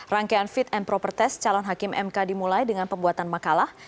rangkaian fit and proper test calon hakim mk dimulai dengan pembuatan makalah